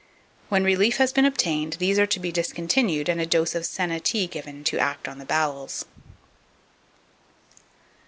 When relief has been obtained, these are to be discontinued, and a dose of senna tea given to act on the bowels.